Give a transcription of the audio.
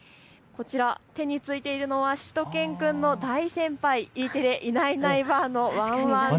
こちら手についているのはしゅと犬くんの大先輩、Ｅテレ、いないいないばあっ！